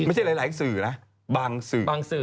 บางส่วน